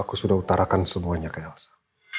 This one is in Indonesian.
aku sudah utarakan semuanya ke elsa